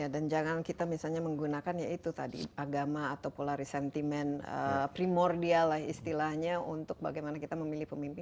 dan jangan kita misalnya menggunakan agama atau polaris sentiment primordial lah istilahnya untuk bagaimana kita memilih pemimpin